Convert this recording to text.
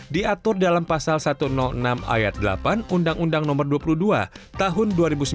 diatur dalam pasal satu ratus enam ayat delapan undang undang nomor dua puluh dua tahun dua ribu sembilan